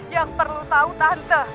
yang perlu tahu tante